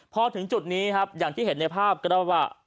พอถึงจุดนี้ครับอย่างที่เห็นในภาพก็เล่าว่า